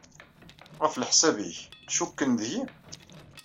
Ɣef leḥsab-nnek, cikken deg-i?